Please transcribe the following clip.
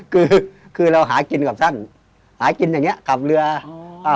คือคือเราหากินกับท่านหากินอย่างเงี้กับเรืออ่า